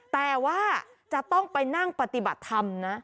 แต่ว่าจะต้องไปนั่งปฏิบัติธรรมนะ